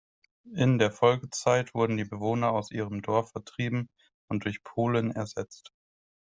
In der Folgezeit wurden die Bewohner aus ihrem Dorf vertrieben und durch Polen ersetzt.